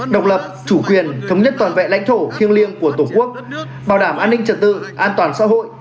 độc lập chủ quyền thống nhất toàn vẹn lãnh thổ thiêng liêng của tổ quốc bảo đảm an ninh trật tự an toàn xã hội